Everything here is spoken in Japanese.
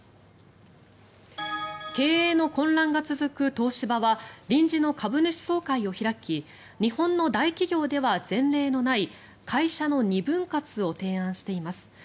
経営の混乱が続く東芝は臨時の株主総会を開き日本の大企業では前例のない会社の２分割を提案しています。